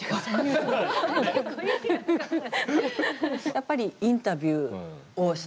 やっぱりインタビューをしたりとか。